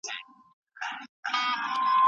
زه پاچا اوس پردیسي د هیندوستان یم